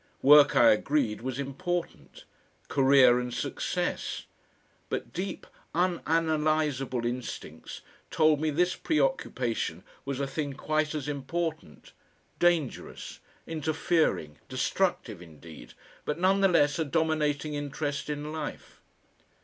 Work, I agreed, was important; career and success; but deep unanalysable instincts told me this preoccupation was a thing quite as important; dangerous, interfering, destructive indeed, but none the less a dominating interest in life.